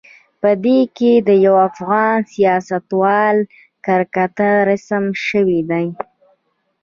په دې کې د یوه افغان سیاستوال کرکتر رسم شوی دی.